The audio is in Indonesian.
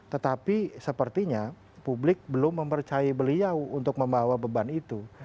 tetapi sepertinya publik belum mempercayai beliau untuk membawa beban itu